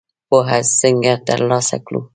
پوهه څنګه تر لاسه کړو؟